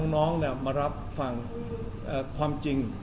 น้องมารับฟังความจริง